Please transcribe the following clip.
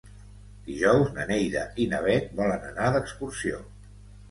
Dijous na Neida i na Bet volen anar d'excursió.